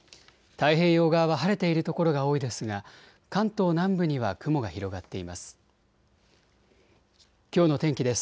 太平洋側は晴れている所が多いですが関東南部には雲が広がっています。